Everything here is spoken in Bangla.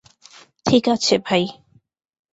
ঠিক আছে, ভাই।